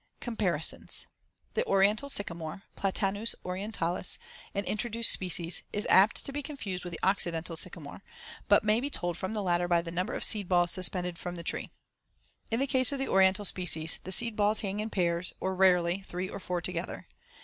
Comparisons: The Oriental sycamore (Platanus orientalis) an introduced species, is apt to be confused with the Occidental sycamore, but may be told from the latter by the number of seed balls suspended from the tree. In the case of the Oriental species, the seed balls hang in pairs or (rarely) three or four together.